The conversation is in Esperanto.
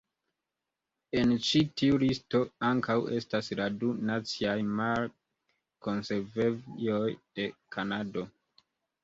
En ĉi tiu listo ankaŭ estas la du Naciaj Mar-Konservejoj de Kanado.